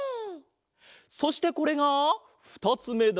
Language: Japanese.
そしてこれがふたつめだ。